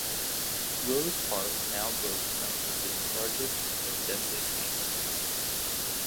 Rose Park now boasts some of the city's largest and most densely spaced trees.